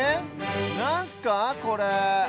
なんすかこれ？